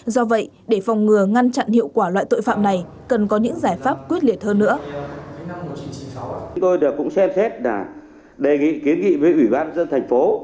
do vậy để phòng ngừa ngăn chặn hiệu quả loại tội phạm này cần có những giải pháp quyết liệt hơn nữa